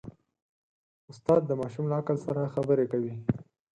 استاد د ماشوم له عقل سره خبرې کوي.